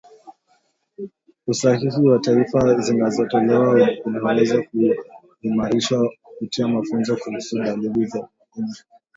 usahihi wa taarifa zinazotolewa unaweza kuimarishwa kupitia mafunzo kuhusu dalili za magonjwa